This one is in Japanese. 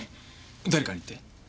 誰かにって？